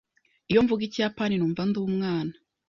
Iyo mvuga Ikiyapani, numva ndi umwana.